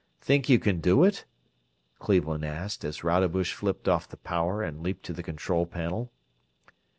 Think you can do it?" Cleveland asked, as Rodebush flipped off the power and leaped to the control panel.